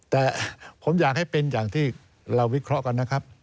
แต่ผมอยากให้เป็นอย่างที่เราวิเคราะห์กันนะครับ